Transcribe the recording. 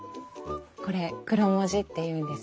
これクロモジっていうんです。